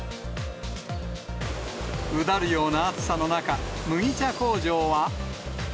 うだるような暑さの中、麦茶工場は。